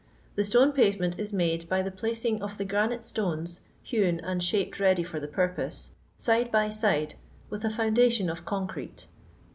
The stone pavement is made by the placing of the granite stones, hewn and shaped ready fas the purpose, side by side, with a foun dation of concrete.